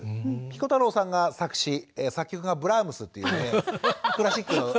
ピコ太郎さんが作詞作曲がブラームスっていうねクラシックの。